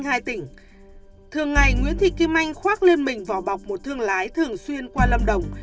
kim anh hai tỉnh thường ngày nguyễn thị kim anh khoác lên mình vỏ bọc một thương lái thường xuyên qua lâm đồng